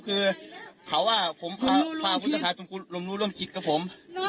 ผมคาพุทธศาสตร์จบรมรู้ร่วมกับผม